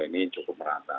ini cukup rata